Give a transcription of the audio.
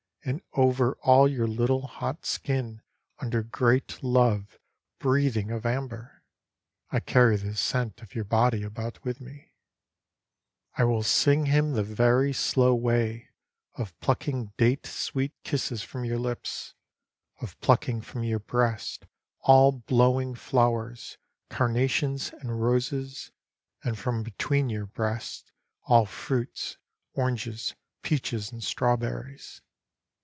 And over all your little hot skin under great love Breathing of amber. I carry the scent of your body about with me. 37 LOVER'S JEALOUSY « I will sing him the very slow way Of plucking datC'Sweet kisses from your lips, Of plucking from your breasts all blowing flowers, carnations and roses, And from between your breasts all fruits, oranges, peaches and strawberries.